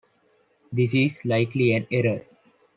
This is likely an error.